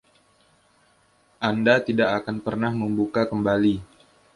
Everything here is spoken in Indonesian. Anda tidak akan pernah membuka kembali.